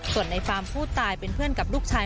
ส่วนในฟาร์มผู้ตายเป็นเพื่อนกับลูกชาย